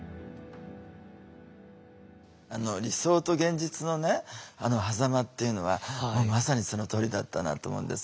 理想と現実のねはざまっていうのはまさにそのとおりだったなと思うんですよ。